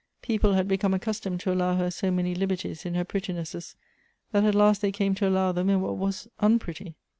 People had become accustomed to allow her so many liberties in her prettinesses, that at last they came to allow them in what was unpretty.